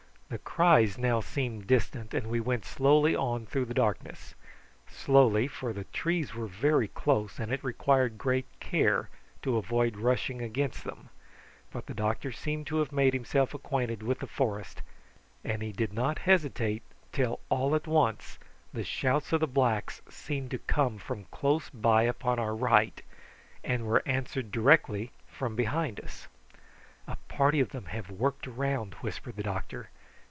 The cries now seemed distant, and we went slowly on through the darkness slowly, for the trees were very close and it required great care to avoid rushing against them; but the doctor seemed to have made himself acquainted with the forest, and he did not hesitate till all at once the shouts of the blacks seemed to come from close by upon our right, and were answered directly from behind us. "A party of them have worked round," whispered the doctor.